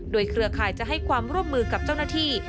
โดยเครือข่ายจะให้ความร่วมมือกับเจ้าหน้าที่